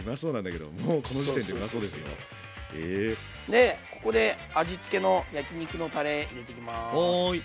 でここで味付けの焼き肉のたれ入れていきます。